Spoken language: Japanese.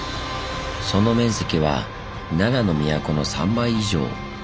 その面積は奈良の都の３倍以上。